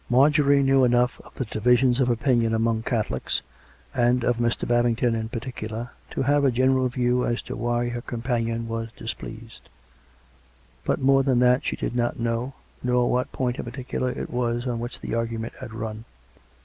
Marjorie knew enough of the divisions of opinion among Catholics, and of Mr, Babington in particular, to have a general view as to why her companion was displeased; but more than that she did not know, nor what point in par ticular it was on which the argument had run.